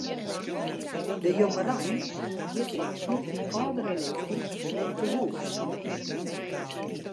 De jongerein giet op hieltyd âldere leeftiid út 'e hûs.